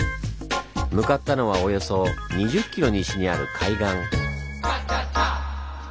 向かったのはおよそ２０ｋｍ西にある海岸。